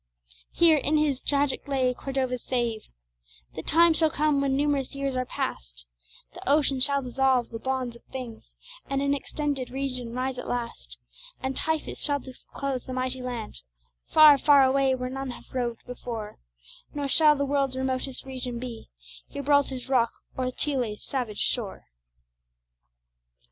Hear, in his tragic lay, Cordova's sage: "_The time shall come, when numerous years are past, The ocean shall dissolve the bonds of things, And an extended region rise at last;_ "_And Typhis shall disclose the mighty land Far, far away, where none have rov'd before; Nor shall the world's remotest region be Gibraltar's rock, or Thule's savage shore.